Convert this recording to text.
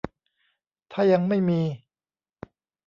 ถ้ายังไม่มี